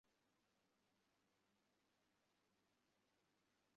ঐ ব্যক্তির ভিতর যে ঐশ্বরিক শক্তি খেলা করিত, সেটি লক্ষ্য করিও।